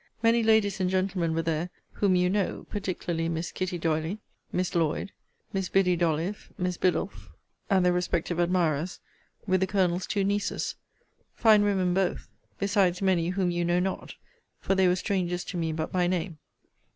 Many ladies and gentlemen were there whom you know; particularly Miss Kitty D'Oily, Miss Lloyd, Miss Biddy D'Ollyffe, Miss Biddulph, and their respective admirers, with the Colonel's two nieces; fine women both; besides many whom you know not; for they were strangers to me but by name.